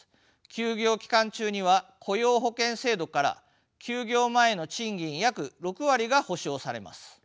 休業期間中には雇用保険制度から休業前の賃金約６割が保障されます。